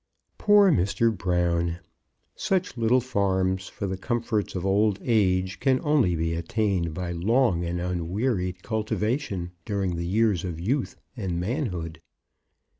Poor Mr. Brown! Such little farms for the comforts of old age can only be attained by long and unwearied cultivation during the years of youth and manhood.